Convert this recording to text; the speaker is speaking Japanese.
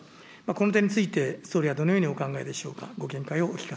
この点について総理はどのようにお考えでしょうか。